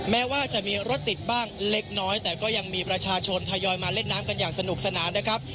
แม้ว่าจะมีรถติดบ้างเล็กน้อยแต่ก็ยังมีประชาชนทยอยมาเล่นน้ำกันอย่างสนุกสนานนะครับ